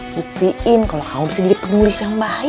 buktiin kalau kamu bisa jadi penulis yang baik